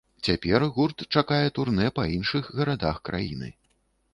Цяпер гурт чакае турнэ па іншых гарадах краіны.